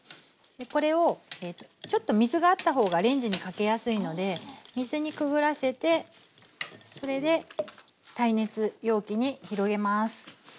これをちょっと水があった方がレンジにかけやすいので水にくぐらせてそれで耐熱容器に広げます。